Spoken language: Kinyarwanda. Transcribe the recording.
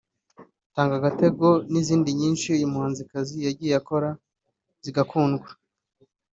Tanga agatego n’izindi nyinshi uyu muhanzikazi yagiye akora zigakundwa